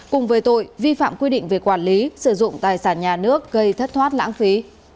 cùng với tội vi phạm quy định về quản lý sử dụng tài sản nhà nước gây thất thoát lãng phí